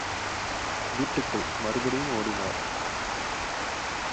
வீட்டுக்குள் மறுபடியும் ஒடினார்.